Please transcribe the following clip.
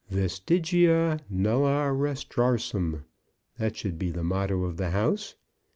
Vestigia Nulla Retrorsum. That should be the motto of the house.